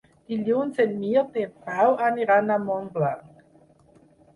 Dilluns en Mirt i en Pau aniran a Montblanc.